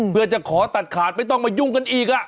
เพื่อจะขอตัดขาดไม่ต้องมายุ่งกันอีก